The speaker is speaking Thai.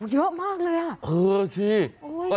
เยอะมากเลยอ่ะ